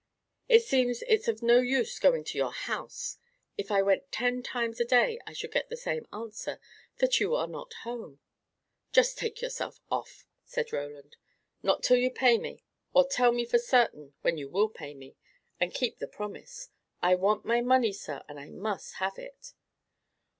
"It seems it's of no use going to your house; if I went ten times a day, I should get the same answer that you are not at home." "Just take yourself off," said Roland. "Not till you pay me; or tell me for certain when you will pay me, and keep your promise. I want my money, sir, and I must have it."